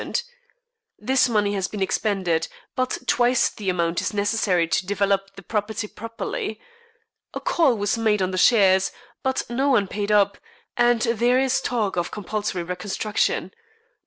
This money has been expended, but twice the amount is necessary to develop the property properly. A call was made on the shares, but no one paid up, and there is a talk of compulsory reconstruction.